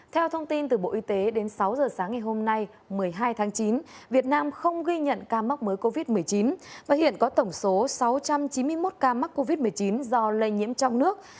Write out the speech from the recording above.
theo thông tin từ bộ y tế đến sáu giờ sáng ngày hôm nay một mươi hai tháng chín việt nam không ghi nhận ca mắc mới covid một mươi chín và hiện có tổng số sáu trăm chín mươi một ca mắc covid một mươi chín do lây nhiễm trong nước